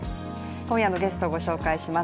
今夜のゲスト、ご紹介します。